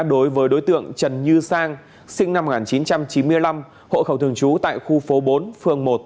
đối với đối tượng trần như sang sinh năm một nghìn chín trăm chín mươi năm hộ khẩu thường trú tại khu phố bốn phường một